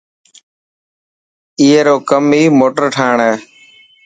اي رو ڪم ئي موٽر ٺاهڻ هي.